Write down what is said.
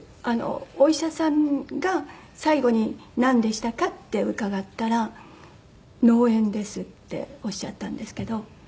お医者さんが最後に「なんでしたか？」って伺ったら「脳炎です」っておっしゃったんですけど。